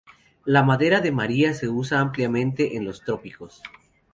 La madera de María se usa ampliamente en los trópicos.